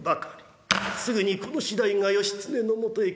すぐにこの次第が義経のもとへ。